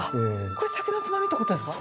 これ酒のつまみって事ですか？